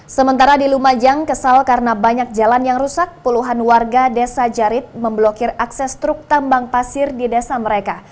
sementara di lumajang kesal karena banyak jalan yang rusak puluhan warga desa jarit memblokir akses truk tambang pasir di desa mereka